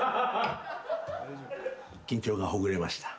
緊張がほぐれました。